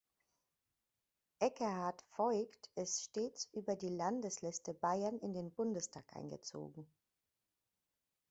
Ekkehard Voigt ist stets über die Landesliste Bayern in den Bundestag eingezogen.